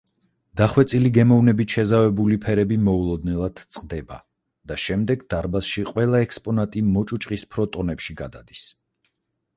დახვეწილი გემოვნებით შეზავებული ფერები მოულოდნელად წყდება და შემდეგ დარბაზში ყველა ექსპონატი მოჭუჭყისფრო ტონებში გადადის.